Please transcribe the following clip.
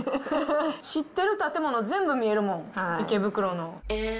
知ってる建物、全部見えるもん、池袋の。